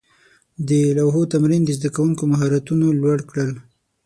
د لوحو تمرین د زده کوونکو مهارتونه لوړ کړل.